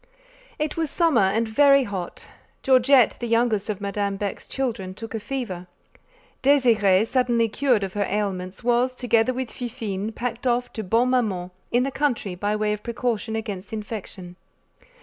It was summer and very hot. Georgette, the youngest of Madame Beck's children, took a fever. Désirée, suddenly cured of her ailments, was, together with Fifine, packed off to Bonne Maman, in the country, by way of precaution against infection.